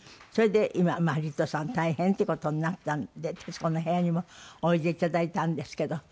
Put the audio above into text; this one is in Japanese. それで今リトさん大変って事になったんで『徹子の部屋』にもおいでいただいたんですけど。